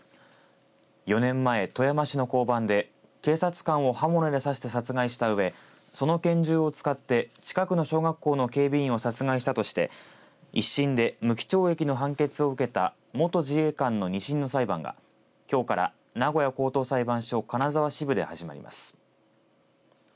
４年前、富山市の交番で警察官を刃物で刺して殺害したうえその拳銃を使って近くの小学校の警備員を殺害したとして、１審で無期懲役の判決を受けた元自衛官の２審の裁判がきょうから名古屋高等裁判所金沢支部で始まります。